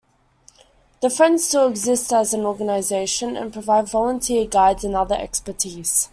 "The Friends" still exist as an organisation, and provide volunteer guides and other expertise.